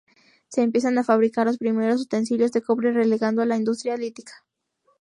Se empiezan a fabricar los primeros utensilios de cobre relegando a la industria lítica.